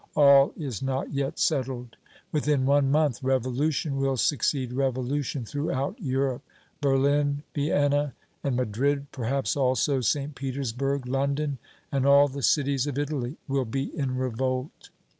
All is not yet settled. Within one month, revolution will succeed revolution throughout Europe! Berlin, Vienna, and Madrid, perhaps also St. Petersburg, London, and all the cities of Italy, will be in revolt.